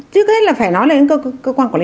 trước hết là phải nói lên cơ quan quản lý